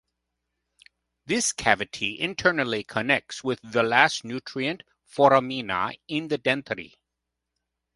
This cavity internally connects with the last nutrient foramina in the dentary.